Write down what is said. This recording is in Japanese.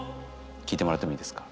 聞いてもらってもいいですか？